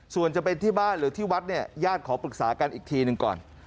ส่วนจะเป็นที่บ้านหรือที่วัดเนี่ยญาติขอปรึกษากันอีกทีหนึ่งก่อน